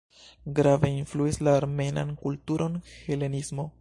Grave influis la armenan kulturon helenismo.